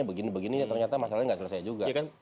begini begini ternyata masalahnya nggak selesai juga